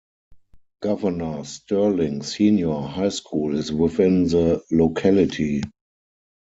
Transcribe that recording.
Governor Stirling Senior High School is within the locality.